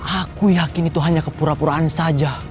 aku yakin itu hanya kepura puraan saja